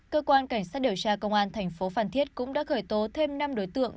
cơ quan cảnh sát điều tra công an tp phan thiết cũng đã khởi tố thêm năm đối tượng